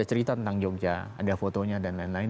ada cerita tentang jogja ada fotonya dan lain lain